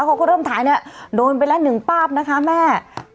เขาก็เริ่มถ่ายเนี่ยโดนไปแล้วหนึ่งป้าบนะคะแม่